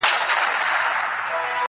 • دلته چا په ویښه نه دی ازمېیلی -